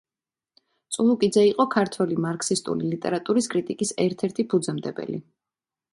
წულუკიძე იყო ქართველი მარქსისტული ლიტერატურის კრიტიკის ერთ-ერთი ფუძემდებელი.